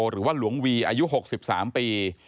หรือว่าหลวงวีอายุ๖๓ปี